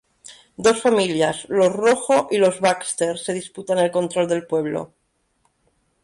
Dos familias, los Rojo y los Baxter, se disputan el control del pueblo.